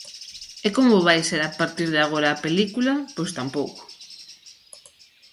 E como vai ser a partir de agora a película, pois tampouco.